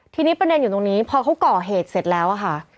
ทีนี้ประเด็นอยู่ตรงนี้พอเขาก่อเหตุเสร็จแล้วอะค่ะ